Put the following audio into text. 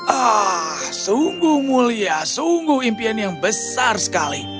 ah sungguh mulia sungguh impian yang besar sekali